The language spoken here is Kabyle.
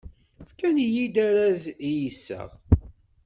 Fkan-iyi-d arraz i yiseɣ.